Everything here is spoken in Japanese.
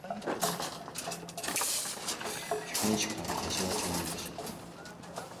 百日間で八十万人が死んだ。